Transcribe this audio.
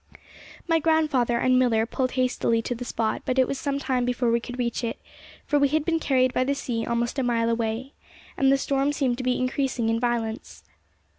My grandfather and Millar pulled hastily to the spot, but it was some time before we could reach it, for we had been carried by the sea almost a mile away, and the storm seemed to be increasing in violence.